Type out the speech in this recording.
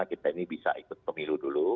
kita ini bisa ikut pemilu dulu